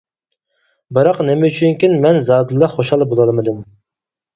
بىراق نېمە ئۈچۈنكىن مەن زادىلا خۇشال بولالمىدىم.